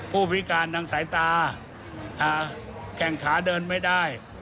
ผู้พิการทางสายตาแข่งขาเดินไม่ได้